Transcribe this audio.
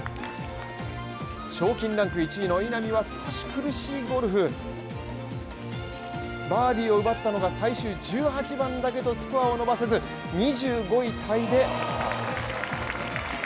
賞金ランク１位の稲見は少し苦しいゴルフバーディーを奪ったのが最終１８番だけどスコアを伸ばせず、２５位タイでスタート。